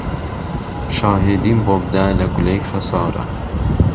شاهێدیم بۆ بده له گولهی خهساره